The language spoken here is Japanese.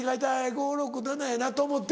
５６７やなと思って。